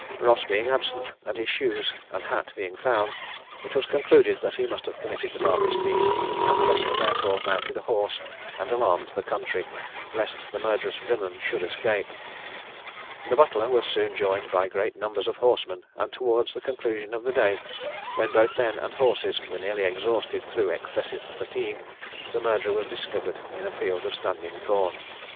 Ross being absent, and his shoes and hat being found, it was concluded that he must have committed the barbarous deed; and the butler therefore mounted a horse, and alarmed the country, lest the murderous villain should escape. The butler was soon joined by great numbers of horsemen; and towards the conclusion of the day, when both men and horses were nearly exhausted through excessive fatigue, the murderer was discovered in a field of standing corn.